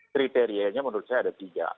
kriterianya menurut saya ada tiga